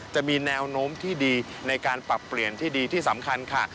จะมีแนวโน้มที่ดีในการปรับเปลี่ยนที่ดีที่สำคัญค่ะ